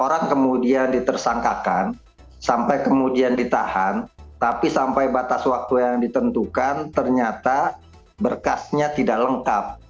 orang kemudian ditersangkakan sampai kemudian ditahan tapi sampai batas waktu yang ditentukan ternyata berkasnya tidak lengkap